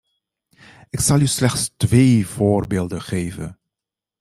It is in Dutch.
Ik zal u slechts twee voorbeelden geven.